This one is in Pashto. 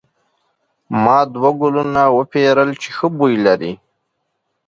ما دوه ګلونه وپیرل چې ښه بوی لري.